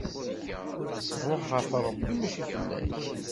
Ṣṣbuḥ ɣef Ṛebbi, mačči fell-ak!